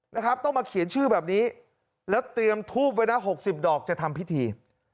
นะครับต้องมาเขียนชื่อแบบนี้แล้วเตรียมทูบไว้นะหกสิบดอกจะทำพิธี